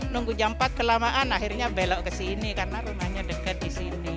nunggu jam empat kelamaan akhirnya belok kesini karena rumahnya dekat disini